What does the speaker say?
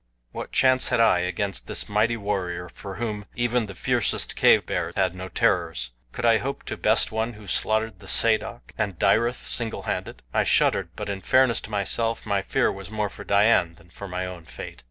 What chance had I against this mighty warrior for whom even the fiercest cave bear had no terrors! Could I hope to best one who slaughtered the sadok and dyryth singlehanded! I shuddered; but, in fairness to myself, my fear was more for Dian than for my own fate.